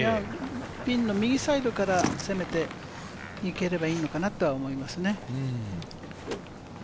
ピンの右サイドから攻めて、行ければいいのかなって思いますね。